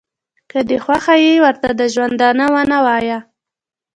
که دې خوښه ي ورته د ژوندانه ونه وایه.